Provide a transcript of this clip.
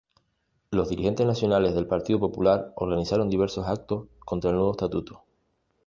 Los dirigentes nacionales del Partido Popular organizaron diversos actos contra el nuevo estatuto.